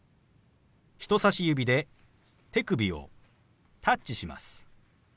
人さし指で手首をタッチします。